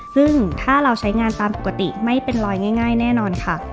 ซึ่งถ้าเราใช้งานตามปกติไม่เป็นรอยง่ายแน่นอนค่ะ